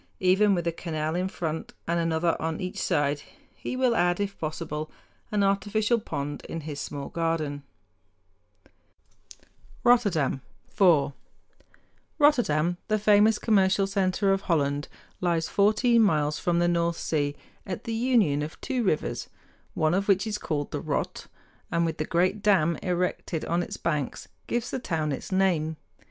Even with a canal in front and another on each side he will add, if possible, an artificial pond in his small garden. [Illustration: STREET SCENE, ROTTERDAM] HOLLAND Rotterdam FOUR Rotterdam, the famous commercial center of Holland, lies fourteen miles from the North Sea at the union of two rivers, one of which is called the Rotte, and with the great dam erected on its banks gives to the town its name.